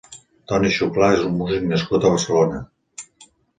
Toni Xuclà és un músic nascut a Barcelona.